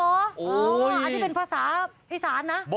โอ๊ยอันนี้เป็นภาษาไอซานนะ